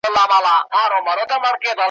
خلک خواږه دي د دنیا په رقم